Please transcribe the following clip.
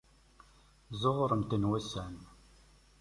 Ẓzuɣuren-ten wussan.